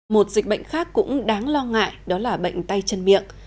một dịch bệnh khác cũng đáng lo ngại đó là bệnh tay chân miệng